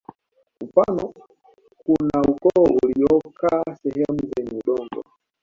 Mfano kuna ukoo uliokaa sehemu zenye udongo